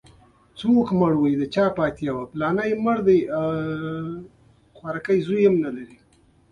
په پاریس کې انقلاب سر راپورته کړی و.